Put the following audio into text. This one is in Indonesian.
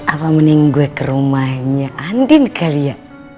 apa mending gue ke rumahnya andien kali ya